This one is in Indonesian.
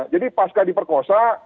jadi pasca diperkosa